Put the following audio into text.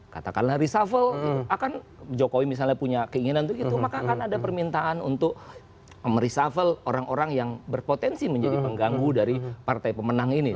katakanlah reshuffle akan jokowi misalnya punya keinginan untuk itu maka akan ada permintaan untuk mereshuffle orang orang yang berpotensi menjadi pengganggu dari partai pemenang ini